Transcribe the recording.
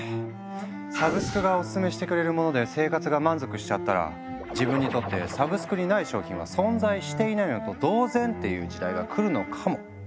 サブスクがオススメしてくれるもので生活が満足しちゃったら自分にとってサブスクにない商品は存在していないのと同然！という時代が来るのかも。